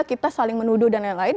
kita saling menuduh dan lain lain